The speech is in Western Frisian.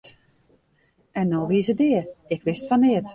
En no wie se dea en ik wist fan neat!